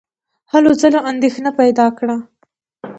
هلو ځلو اندېښنه پیدا کړه.